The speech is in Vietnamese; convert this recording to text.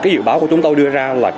dự báo của chúng tôi đưa ra là